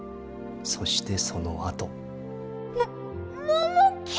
そしてそのあと。